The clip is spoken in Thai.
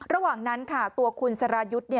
ระหว่างนั้นค่ะตัวคุณสรายุทธ์